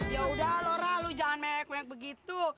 ya udah laura lu jangan mek mek begitu